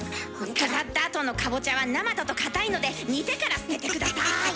飾ったあとのかぼちゃは生だとかたいので煮てから捨てて下さい。